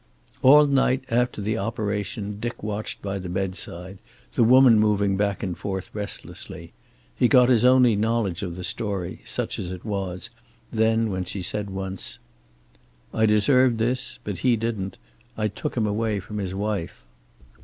All night, after the operation, Dick watched by the bedside, the woman moving back and forth restlessly. He got his only knowledge of the story, such as it was, then when she said once: "I deserved this, but he didn't. I took him away from his wife."